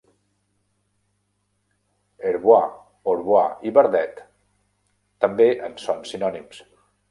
Herbois, Orbois i Verdet també en són sinònims.